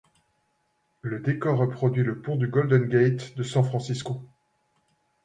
Le décor reproduit le Pont du Golden Gate de San Francisco.